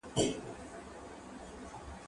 دا کتابونه له هغو مهم دي!؟